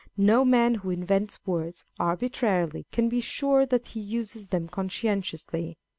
No man who invents words arbitrarily can be sure that he uses them conscientiously.